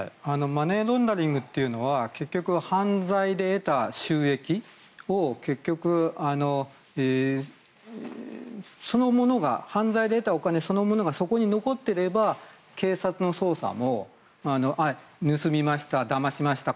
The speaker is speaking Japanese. マネーロンダリングというのは犯罪で得た収益を結局、犯罪で得たお金そのものがそこに残っていれば警察の捜査も盗みました、だましました